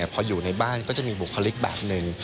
พออยู่ในบ้านก็จะมีบุคลิกแบบหนึ่ง